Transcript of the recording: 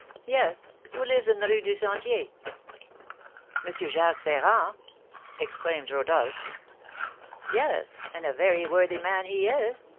"Yes, who lives in the Rue du Sentier." "M. Jacques Ferrand?" exclaimed Rodolph. "Yes; and a very worthy man he is.